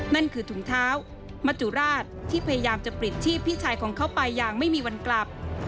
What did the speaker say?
นั่นคือถุงเท้ามัจจุราชที่พยายามจะปลิดชีพพี่ชายของเขาไปอย่างไม่มีวันกลับ